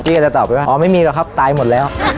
ก็จะตอบไปว่าอ๋อไม่มีหรอกครับตายหมดแล้ว